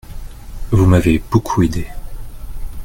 Vous m’avez beaucoup aidé.